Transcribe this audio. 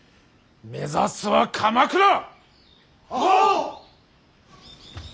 目指すは鎌倉！